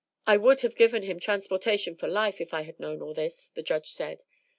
"I would have given him transportation for life if I had known all this," the judge said.